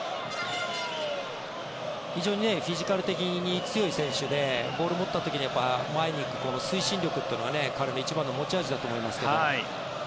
非常にフィジカル的に強い選手でボールを持った時に前に行く推進力というのは彼の一番の持ち味だと思いますけれど。